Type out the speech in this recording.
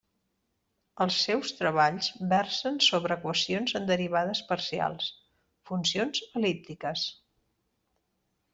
Els seus treballs versen sobre equacions en derivades parcials, funcions el·líptiques.